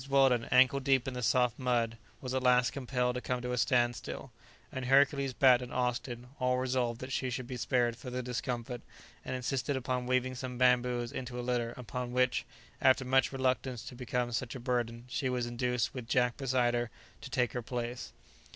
Weldon, ankle deep in the soft mud, was at last compelled to come to a stand still; and Hercules, Bat, and Austin, all resolved that she should be spared further discomfort, and insisted upon weaving some bamboos into a litter, upon which, after much reluctance to become such a burden, she was induced, with Jack beside her, to take her place.